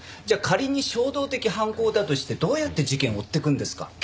じゃあ仮に衝動的犯行だとしてどうやって事件を追っていくんですか？